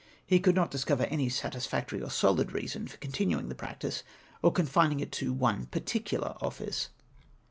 He could not discover any satisfactory or solid reason for con tinuing the practice or confining it to one particular office.